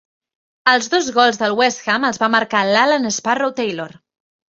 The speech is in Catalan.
Els dos gols del West Ham els va marcar l'Alan 'Sparrow' Taylor.